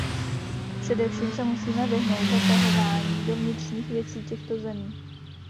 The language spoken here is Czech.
Především se musíme vyhnout zasahování do vnitřních věcí těchto zemí.